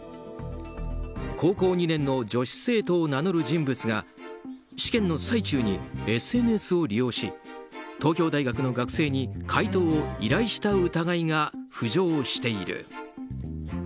高校２年の女子生徒を名乗る人物が試験の最中にＳＮＳを利用し東京大学の学生に解答を依頼した疑いが浮上している。